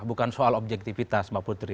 bukan soal objektivitas mbak putri